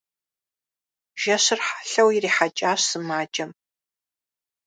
Жэщыр хьэлъэу ирихьэкӀащ сымаджэм.